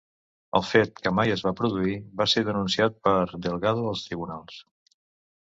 El fet, que mai es va produir, va ser denunciat per Delgado als tribunals.